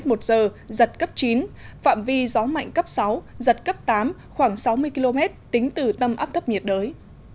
một giờ giật cấp chín phạm vi gió mạnh cấp sáu giật cấp tám khoảng sáu mươi km tính từ tâm áp thấp nhiệt đới